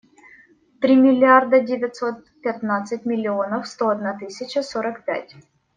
Три миллиарда девятьсот пятнадцать миллионов сто одна тысяча сорок пять.